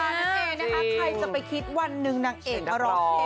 ใครจะไปคิดวันหนึ่งนางเอกร้องเพลง